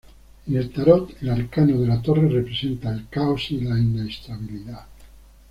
En el tarot, el arcano de la torre representa el caos y la inestabilidad.